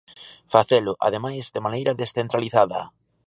Facelo, ademais, de maneira descentralizada.